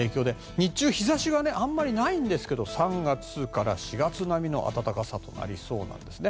日中、日差しはあまりないんですけど３月から４月並みの暖かさとなりそうです。